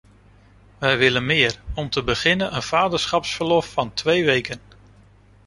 Wij willen meer, om te beginnen een vaderschapsverlof van twee weken.